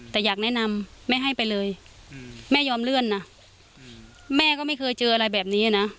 แต่อยากแนะนำแม่ให้ไปเลยแม่ยอมเลื่อนนะแม่ก็ไม่เคยเจออะไรแบบนี้นะ